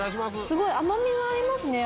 すごい甘みがありますね。